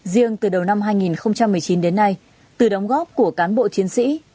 riêng từ đầu năm hai nghìn một mươi chín đến nay từ đóng góp của cán bộ chiến sĩ